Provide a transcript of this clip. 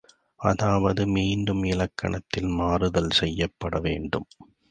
அதாவது, மீண்டும் இலக்கணத்தில் மாறுதல் செய்யவேண்டும்.